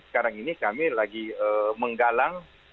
sekarang ini kami lagi menggalang